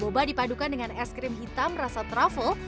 boba dipadukan dengan es krim hitam rasa travel